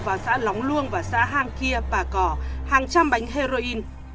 vào xã lóng luông và xã hang kia và có hàng trăm bánh heroin